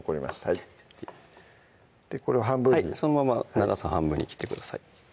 はいこれを半分にそのまま長さ半分に切ってください